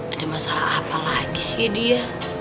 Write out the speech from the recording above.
ada masalah apa lagi sih dia